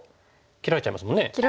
切られちゃいますもんね。